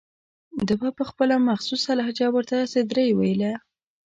ده به په خپله مخصوصه لهجه ورته سدرۍ ویله.